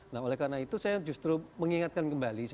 nah oleh karena itu saya justru mengingatkan kembali